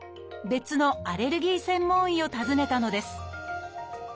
別のアレルギー専門医を訪ねたのです